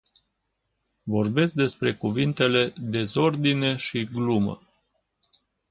Vorbesc despre cuvintele "dezordine” și "glumă”.